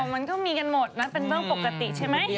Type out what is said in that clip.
มันก็มีกันหมดนะเป็นเรื่องปกติใช่ไหม